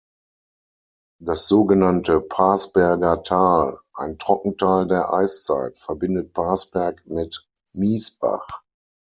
Das sogenannte "Parsberger Tal", ein Trockental der Eiszeit, verbindet Parsberg mit Miesbach.